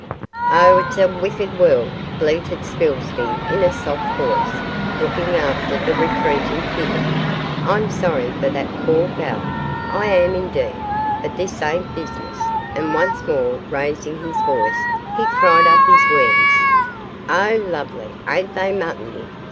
'Oh, it's a wicked world,' bleated Spilsby, in a soft voice, looking after the retreating figure. 'I'm sorry for that poor gal I am indeed but this ain't business,' and once more raising his voice he cried up his wares, 'Oh, lovely; ain't they muttony?